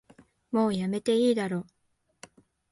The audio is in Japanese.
もうやめていいだろ